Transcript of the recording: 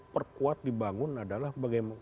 perkuat dibangun adalah bagaimana